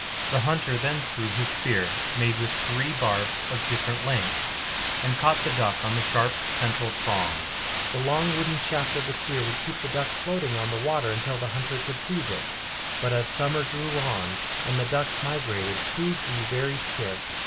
The hunter then threw his spear, made with three barbs of different lengths, and caught the duck on the sharp central prong. The long wooden shaft of the spear would keep the duck floating on the water until the hunter could seize it. But as summer drew on, and the ducks migrated, food grew very scarce.